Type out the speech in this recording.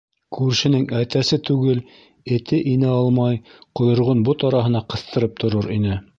Күршенең әтәсе түгел, эте инә алмай ҡойроғон бот араһына ҡыҫтырып торор ине.